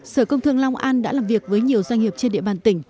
sở công thương long an đã làm việc với nhiều doanh nghiệp trên địa bàn tỉnh